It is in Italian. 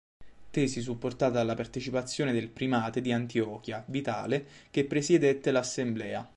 Tesi supportata dalla partecipazione del primate di Antiochia, Vitale, che presiedette l'assemblea.